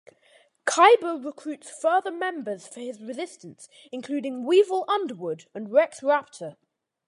Kaiba recruits further members for his resistance, including Weevil Underwood and Rex Raptor.